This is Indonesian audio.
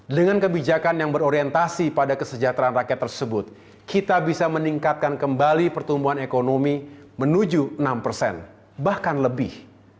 dengan kebijakan yang berorientasi pada kesejahteraan rakyat tersebut kita bisa meningkatkan kembali pertumbuhan ekonomi menuju enam persen bahkan lebih